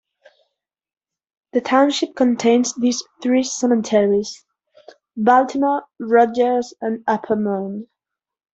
The township contains these three cemeteries: Baltimore, Rodgers and Upper Mound.